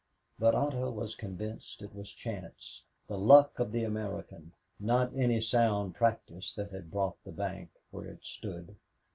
But Otto was convinced it was chance, the luck of the American, not any sound practice that had brought the bank where it stood.